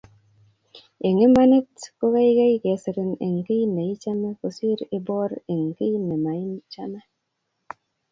Eng imanit kogegei kesirin eng kiy neichamekosir iboor eng kiy nemaichame